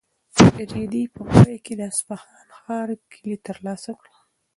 رېدي په پای کې د اصفهان د ښار کیلي ترلاسه کړه.